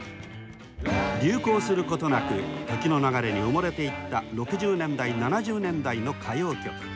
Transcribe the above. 流行することなく時の流れに埋もれていった６０年代７０年代の歌謡曲。